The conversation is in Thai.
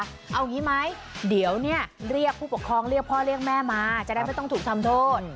เอางี้ไหมเดี๋ยวเนี่ยเรียกผู้ปกครองเรียกพ่อเรียกแม่มาจะได้ไม่ต้องถูกทำโทษ